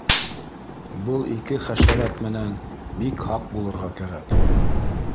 Был ике хәшәрәт менән бик һаҡ булырға кәрәк